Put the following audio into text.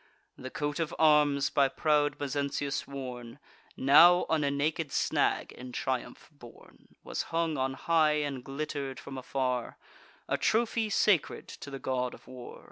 The coat of arms by proud Mezentius worn, Now on a naked snag in triumph borne, Was hung on high, and glitter'd from afar, A trophy sacred to the God of War.